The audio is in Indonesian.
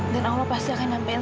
dan allah pasti akan nyampaikan